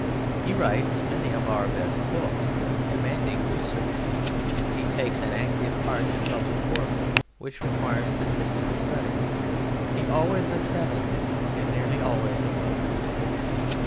He writes many of our best books demanding research. He takes an active part in public work which requires statistical study. He is always a travelled man, and nearly always a well read man.